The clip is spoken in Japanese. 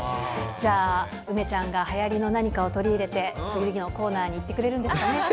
じゃあ、梅ちゃんがはやりの何かを取り入れて、次のコーナーにいってくれるんですかね。